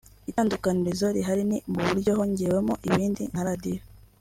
Itandukanirizo rihari ni mu buryo hongewemo ibindi nka radiyo